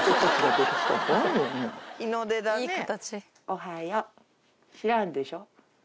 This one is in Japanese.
おはよう知らんでしょ。